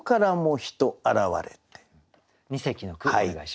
二席の句お願いします。